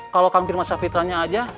kalau kang firman sahpitranya aja